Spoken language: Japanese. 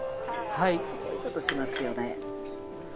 すごい事しますよね。